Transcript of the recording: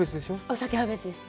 お酒は別です。